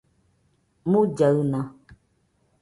mullaɨna